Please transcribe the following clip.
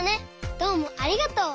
どうもありがとう。